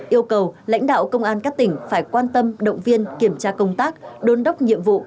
yêu cầu lãnh đạo công an các tỉnh phải quan tâm động viên kiểm tra công tác đôn đốc nhiệm vụ